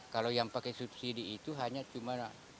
kalau yang pakai subsidi itu hanya cuma dua ratus lima puluh